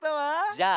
じゃあ。